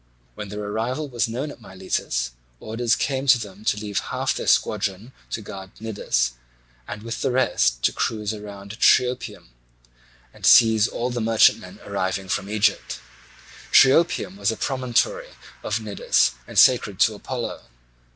When their arrival was known at Miletus, orders came to them to leave half their squadron to guard Cnidus, and with the rest to cruise round Triopium and seize all the merchantmen arriving from Egypt. Triopium is a promontory of Cnidus and sacred to Apollo.